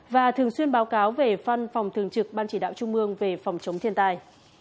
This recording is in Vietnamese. và thường xuyên báo cáo về văn phòng thường trực ban chỉ đạo trung ương về phòng chống thiên tai